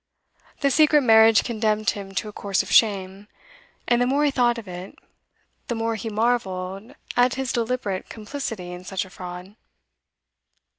The secret marriage condemned him to a course of shame, and the more he thought of it, the more he marvelled at his deliberate complicity in such a fraud.